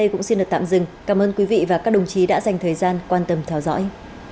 cảm ơn các đồng chí đã dành thời gian quan tâm theo dõi